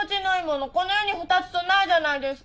この世に二つとないじゃないですか。